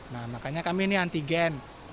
nah makanya kami ini antigen